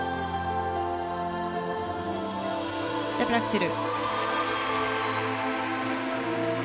ダブルアクセル。